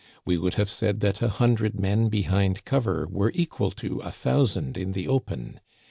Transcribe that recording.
We would have said that a hundred men behind cover were equal to a thousand in the open.